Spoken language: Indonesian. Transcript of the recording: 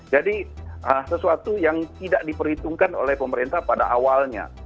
jadi sesuatu yang tidak diperhitungkan oleh pemerintah pada awalnya